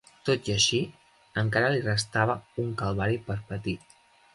Tot i així, encara li restava un calvari per patir.